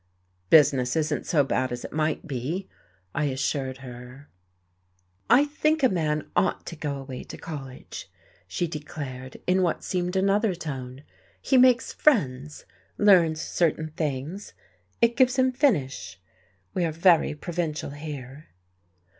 "Business isn't so bad as it might be," I assured her. "I think a man ought to go away to college," she declared, in what seemed another tone. "He makes friends, learns certain things, it gives him finish. We are very provincial here."